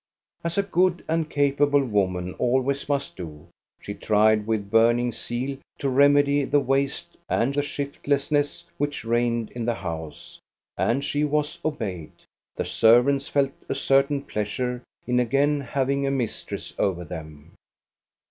As a good and capa ble woman always must do, she tried with burning to remedy the waste and the sbiftlessness which 4IO THE STORY OF GOSTA BERLING reigned in the house. And she was obeyed. The servants felt a certain pleasure in again having a mistress over them.